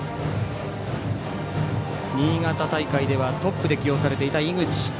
新潟大会ではトップで起用されていた井口。